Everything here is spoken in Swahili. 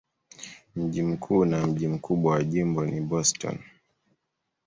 Mji mkuu na mji mkubwa wa jimbo ni Boston.